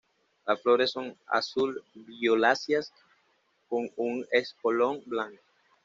Las flores son azul-violáceas, con un espolón blanco.